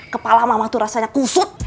kepala mama tuh rasanya kusut